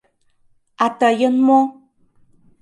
А тыйын мо?